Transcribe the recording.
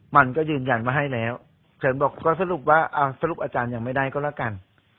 มันก็ยืนยันว่าให้แล้วฉันบอกก็สรุปว่าสรุปอาจารย์ยังไม่ได้ก็แล้วกัน